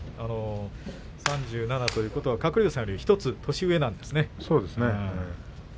３７ということは鶴竜さんより１つ年上なんですね。